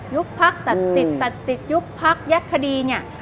ยุคพักตัดสิทธิ์ยุคพักยัดคดีเนี่ย